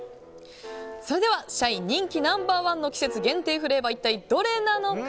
それでは社員人気ナンバー１の季節限定フレーバーは一体、どれなのか。